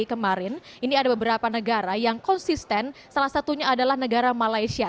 jadi dari tahun lalu sampai kemarin ini ada beberapa negara yang konsisten salah satunya adalah negara malaysia